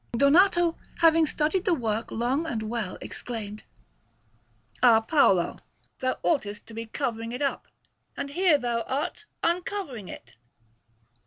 Donato, having studied the work long and well, exclaimed: "Ah, Paolo, thou oughtest to be covering it up, and here thou art uncovering it!"